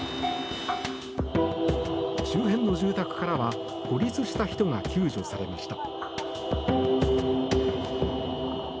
周辺の住宅からは孤立した人が救助されました。